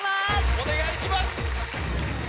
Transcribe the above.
お願いします。